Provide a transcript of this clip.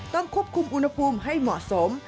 ต้องควบคุมอุณหภูมิให้เหมาะสม